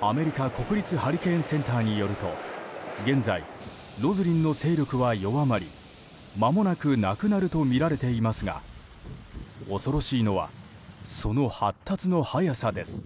アメリカ国立ハリケーンセンターによると現在、ロズリンの勢力は弱まりまもなくなくなるとみられていますが恐ろしいのはその発達の早さです。